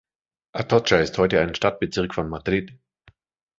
Atocha ist heute ein Stadtbezirk von Madrid.